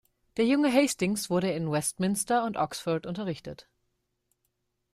Der junge Hastings wurde in Westminster und Oxford unterrichtet.